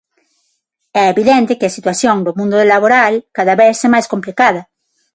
É evidente que a situación do mundo laboral cada vez é máis complicada.